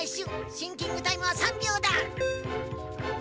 シンキングタイムは３びょうだ！